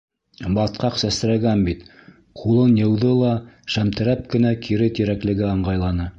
Батҡаҡ сәсрәгән бит-ҡулын йыуҙы ла, шәмтерәп кенә кире Тирәклегә ыңғайланы.